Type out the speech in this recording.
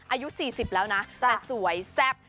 อายุ๔๐แล้วนะแต่สวยแซ่บ